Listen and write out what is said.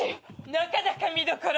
なかなか見どころ。